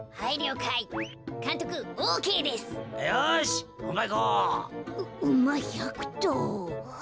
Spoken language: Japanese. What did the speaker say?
ううま１００とう。